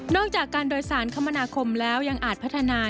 จากการโดยสารคมนาคมแล้วยังอาจพัฒนา